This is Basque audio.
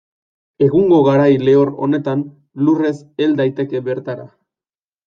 Egungo garai lehor honetan, lurrez hel daiteke bertara.